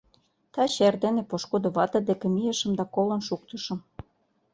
— Таче эрдене пошкудо вате деке мийышым да колын шуктышым.